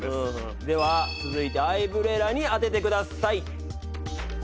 では続いてはアイブレラに当ててください。